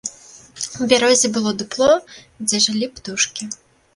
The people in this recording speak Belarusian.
У бярозе было дупло, дзе жылі птушкі.